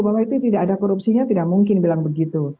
bahwa itu tidak ada korupsinya tidak mungkin bilang begitu